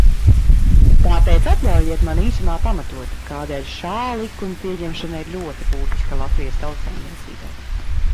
Tāpēc atļaujiet man īsumā pamatot, kādēļ šā likuma pieņemšana ir ļoti būtiska Latvijas tautsaimniecībai.